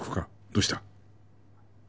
どうした？